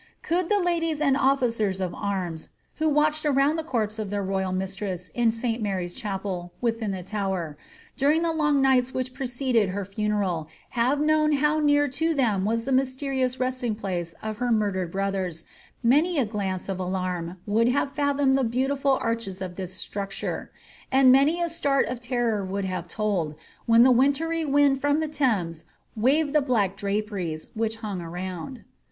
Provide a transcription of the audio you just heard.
Could the ladies and officers of arms, who watched around the corpse of their roval mistress in St. Mary's chapel within the Tower, during the long nights which preceded her funeral, have known how near to them was the mysterious resting place of her murdered brothers, many a glance of alarm would have fathomed the beautiful arches of that structure,* aod many a start of terror would have told, when the wintry wind from the Thames waved the black draperies, which hung around.